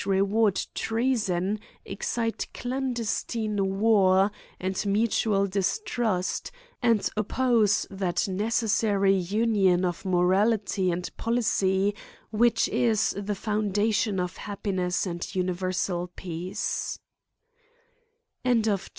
reward treason excite clandestine S 138 ' AN ESSAY OX war and mutual distrust, and oppose that necessa ry union of morality and policy which is the foundation of happiness and universal peace.